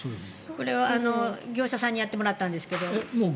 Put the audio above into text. これは、業者さんにやってもらったんですけど。